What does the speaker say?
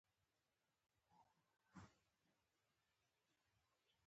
د لومړۍ نړیوالې جګړې په ترڅ کې قانون تصویب شو.